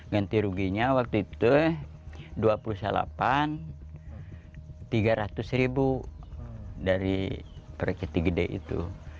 ganti ruginya waktu itu dua puluh delapan tiga ratus ribu dari proyek jatigede itu